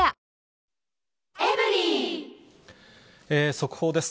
速報です。